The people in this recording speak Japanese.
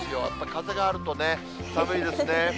風があるとね、寒いですね。